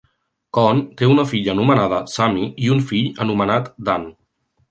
Cohn té una filla anomenada Sammy i un fill anomenat Dan.